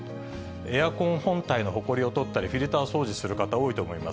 エアコン本体のほこりを取ったり、フィルターをお掃除する方、多いと思います。